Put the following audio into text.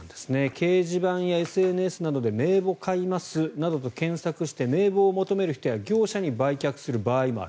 掲示板やＳＮＳなどで名簿を買いますなどと検索して名簿を求める人や業者に売却する場合もある。